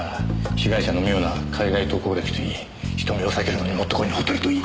被害者の妙な海外渡航歴といい人目を避けるのにもってこいのホテルといい。